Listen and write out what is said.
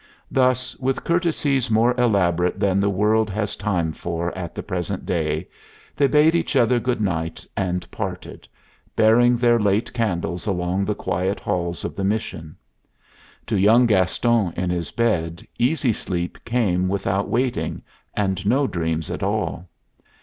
Thus, with courtesies more elaborate than the world has time for at the present day, they bade each other good night and parted, bearing their late candles along the quiet halls of the mission. To young Gaston in his bed easy sleep came without waiting, and no dreams at all.